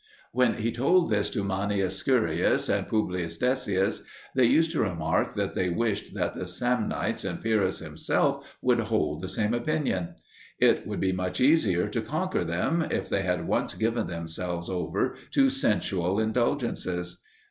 When he told this to Manius Curius and Publius Decius, they used to remark that they wished that the Samnites and Pyrrhus himself would hold the same opinion. It would be much easier to conquer them, if they had once given themselves over to sensual indulgences.